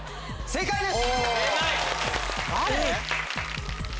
正解です！